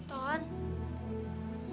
ada apa sih sebenernya